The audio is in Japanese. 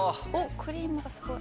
クリームがすごい。